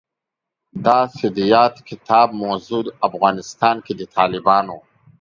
دا چې د یاد کتاب موضوع افغانستان کې د طالبانو